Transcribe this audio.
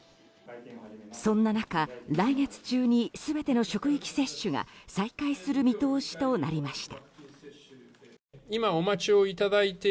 そんな中来月中に全ての職域接種が再開する見通しとなりました。